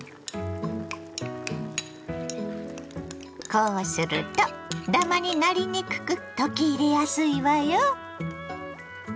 こうするとだまになりにくく溶き入れやすいわよ。